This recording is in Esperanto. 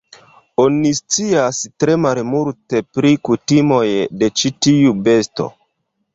Oni scias tre malmulte pri kutimoj de ĉi tiu besto.